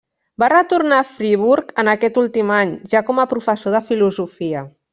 Va retornar a Friburg en aquest últim any, ja com a professor de filosofia.